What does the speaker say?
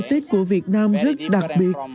tết của việt nam rất đặc biệt